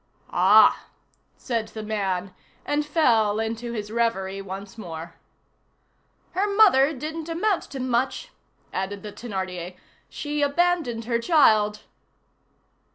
"Ah!" said the man, and fell into his reverie once more. "Her mother didn't amount to much," added the Thénardier; "she abandoned her child."